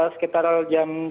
sekitar jam sembilan